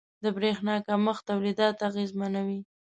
• د برېښنا کمښت تولیدات اغېزمنوي.